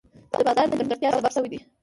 د بازار د نیمګړتیا سبب شوي دي.